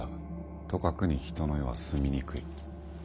とかくに人の世は住みにくい」。